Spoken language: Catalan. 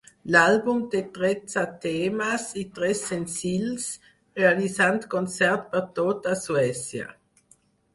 L’àlbum té tretze temes i tres senzills, realitzant concerts per tota Suècia.